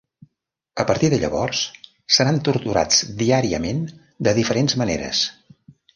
A partir de llavors seran torturats diàriament de diferents maneres.